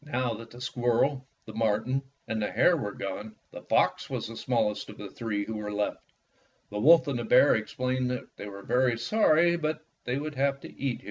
Now that the squirrel, the marten, and the hare were gone, the fox was the smallest of the three who were left. The wolf and the bear explained that they were very sorry, but they would have to eat him. fm i ?:»X':s/, kX'.VWi ;.ss*A*.